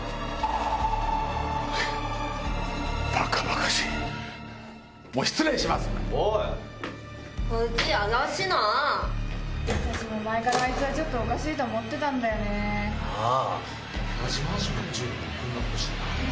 私も前からあいつはおかしいと思ってたんだよね。なぁ！